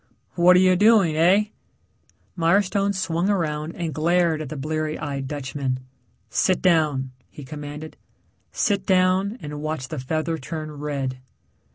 "What are you doing, heh?" Mirestone swung around and glared at the bleary eyed Dutchman. "Sit down," he commanded. "Sit down and watch the feather turn red."